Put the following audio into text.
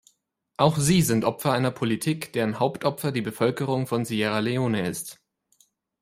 Auch sie sind Opfer einer Politik, deren Hauptopfer die Bevölkerung von Sierra Leone ist.